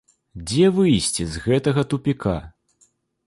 Дзе выйсце з гэтага тупіка?